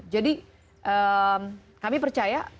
jadi kami percaya